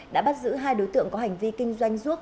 đã bắt giữ hai đối tượng có hành vi kinh doanh ruốc